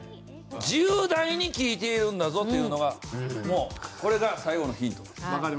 １０代に聞いているんだぞというのがもうこれが最後のヒントです。